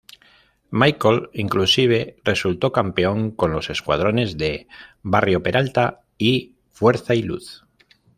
Michael inclusive resultó campeón con los escuadrones de Barrio Peralta y Fuerza y Luz.